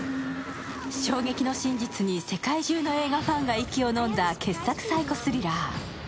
衝撃の真実に世界中の映画ファンが息をのんだ傑作サイコスリラー。